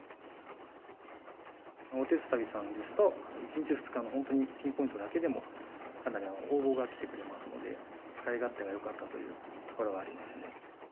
おてつたびさんですと、１日、２日の本当にピンポイントだけでも、かなりの応募が来てくれますので、使い勝手がよかったというところはありますね。